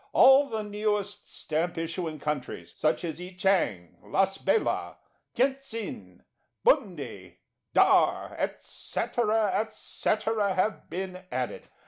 All the newest Stamp issuing countries, such as Ichang, Las Bela, Tientsin, Bundi, Dhar, etc. etc., have been added.